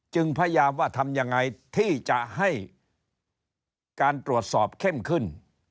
พยายามว่าทำยังไงที่จะให้การตรวจสอบเข้มขึ้น